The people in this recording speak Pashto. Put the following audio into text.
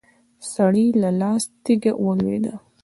د سړي له لاسه تېږه ولوېده.